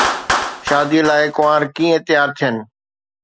شاديءَ لاءِ ڪنوار ڪيئن تيار ٿين؟